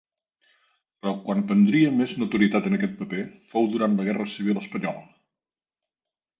Però quan prendria més notorietat en aquest paper fou durant la guerra civil espanyola.